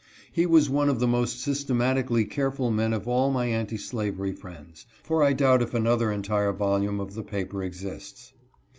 He was one of the most systematically careful men of all my anti slavery friends, for I doubt if another entire volume of the paper exists.